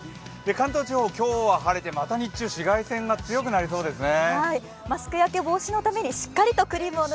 関東地方、今日は晴れて、また日中、紫外線が強くなりそうですね。